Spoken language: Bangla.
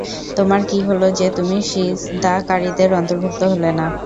তোমার কি হলো যে, তুমি সিজদাকারীদের অন্তর্ভুক্ত হলে না?